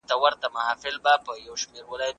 تخیل او واقعیت توپیر لري.